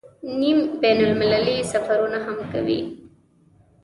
نیم بین المللي سفرونه هم کوي.